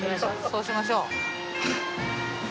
そうしましょう。